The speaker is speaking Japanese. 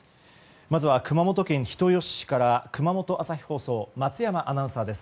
まずは、熊本県人吉市から熊本朝日放送松山アナウンサーです。